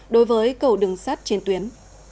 đối với cầu đường sắt trên tuyến